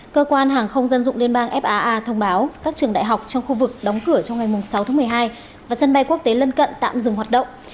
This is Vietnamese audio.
cơ quan hàng không dân dụng liên bang faa thông báo các trường đại học trong khu vực đóng cửa trong ngày sáu tháng một mươi hai và sân bay quốc tế lân cận tạm dừng hoạt động